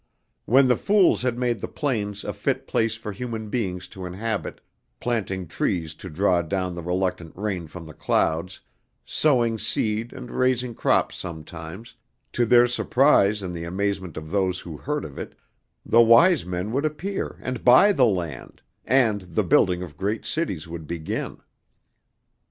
When the Fools had made the plains a fit place for human beings to inhabit, planting trees to draw down the reluctant rain from the clouds, sowing seed and raising crops sometimes, to their surprise and the amazement of those who heard of it, the Wise Men would appear and buy the land, and the building of great cities would begin.